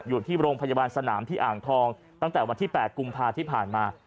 อยู่ที่โรงพยาบาลสนามที่อ่างทองตั้งแต่วันที่๘กุมภาที่ผ่านมา